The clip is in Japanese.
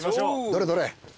どれどれ。